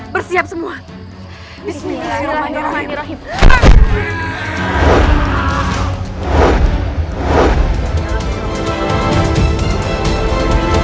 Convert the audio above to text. kita harus tetap berhati hati